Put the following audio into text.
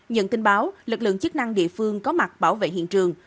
nhận tin báo lực lượng chức năng địa phương có mặt bảo vệ hiện trường